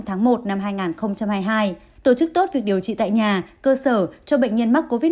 tháng một năm hai nghìn hai mươi hai tổ chức tốt việc điều trị tại nhà cơ sở cho bệnh nhân mắc covid một mươi